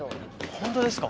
本当ですか？